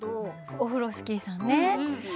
オフロスキーさんね。